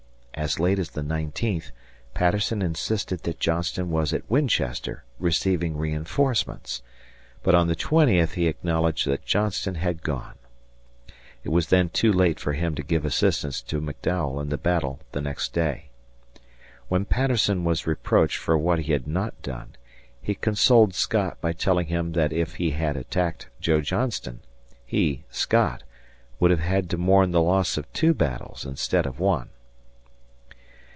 As late as the nineteenth Patterson insisted that Johnston was at Winchester receiving reinforcements; but on the twentieth he acknowledged that Johnston had gone. It was then too late for him to give assistance to McDowell in the battle the next day. When Patterson was reproached for what he had not done, he consoled Scott by telling him that if he had attacked Joe Johnston, he (Scott) would have had to mourn the loss of two battles instead of one.